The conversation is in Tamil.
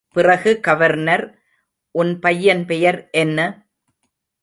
பிறகு கவர்னர் உன் பையன் பெயர் என்ன?